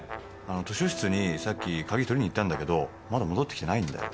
図書室にさっき鍵取りに行ったんだけどまだ戻って来てないんだよ。